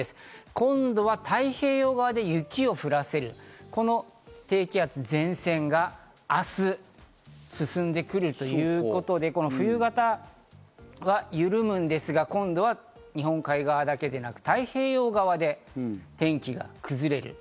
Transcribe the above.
今度は太平洋側で雪を降らせる、この低気圧、前線が明日進んでくるということで、冬型は緩むんですが、今度は日本海側だけでなく太平洋側で天気が崩れる。